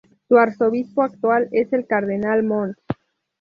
Su Arzobispo actual es el Cardenal Mons.